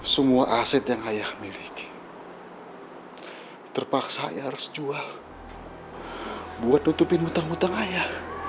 semua aset yang ayah miliki terpaksa ayah harus jual buat tutupin hutang hutang ayah